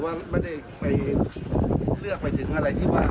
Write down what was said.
ว่าไม่ได้ไปเลือกไปถึงอะไรที่ว่า